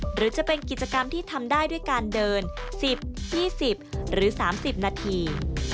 หรือจะเป็นกิจกรรมที่ทำได้ด้วยการเดิน๑๐๒๐หรือ๓๐นาที